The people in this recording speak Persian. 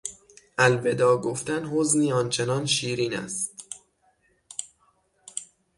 الوداع گفتن حزنی آن چنان شیرین است...